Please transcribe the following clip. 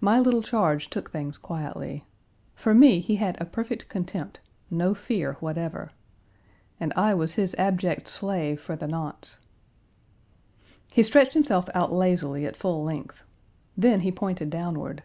My little charge took things quietly. For me he had a perfect contempt, no fear whatever. And I was his abject slave for the nonce. He stretched himself out lazily at full length. Then he pointed downward.